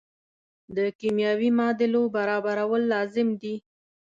د کیمیاوي معادلو برابرول لازم دي.